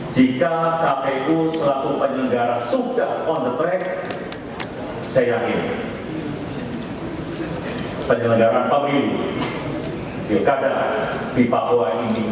jika kpu selaku penyelenggara sudah on the track saya yakin penyelenggara pemilih pilkada di papua ini bisa berjalan sesuai dengan rencana